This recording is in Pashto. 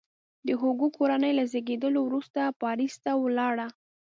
د هوګو کورنۍ له زیږېدلو وروسته پاریس ته ولاړه.